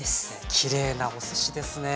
きれいなお寿司ですね。